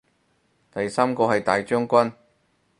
第三個係大將軍